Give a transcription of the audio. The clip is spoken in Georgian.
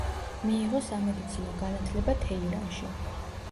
მიიღო სამედიცინო განათლება თეირანში.